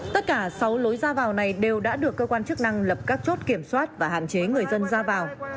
tất cả sáu lối ra vào này đều đã được cơ quan chức năng lập các chốt kiểm soát và hạn chế người dân ra vào